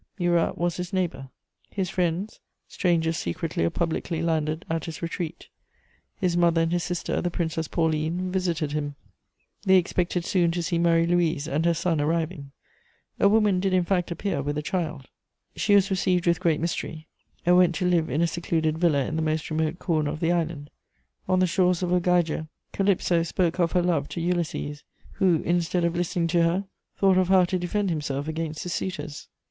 Murat was his neighbour; his friends, strangers secretly or publicly landed at his retreat; his mother and his sister, the Princess Pauline, visited him; they expected soon to see Marie Louise and her son arriving. A woman did in fact appear, with a child; she was received with great mystery, and went to live in a secluded villa in the most remote corner of the island: on the shores of Ogygia, Calypso spoke of her love to Ulysses, who, instead of listening to her, thought of how to defend himself against the suitors.